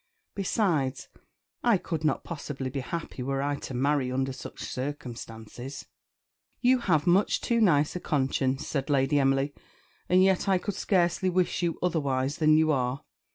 Besides, I could not possibly be happy were I to marry under such circumstances." "You have much too nice a conscience," said Lady Emily; "and yet I could scarcely wish you otherwise than you are.